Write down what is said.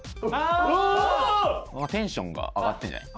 テンションが上がってんじゃない？